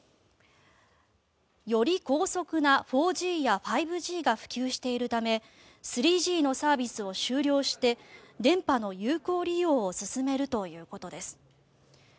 より高速な４Ｇや５Ｇが普及しているため３Ｇのサービスを終了して電波の有効利用を進めるということです。